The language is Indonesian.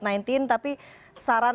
tapi saran anda terhadap pembelajaran